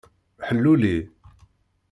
Ḥluli.